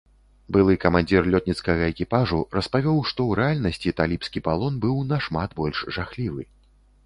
Былы камандзір лётніцкага экіпажу распавёў, што ў рэальнасці талібскі палон быў нашмат больш жахлівы.